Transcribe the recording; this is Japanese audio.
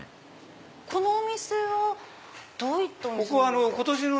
このお店はどういったお店なんですか？